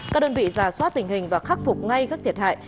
các đơn vị giả soát tình hình và khắc phục ngay các thiệt hại